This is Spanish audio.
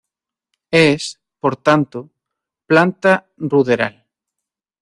Es, por tanto, planta ruderal.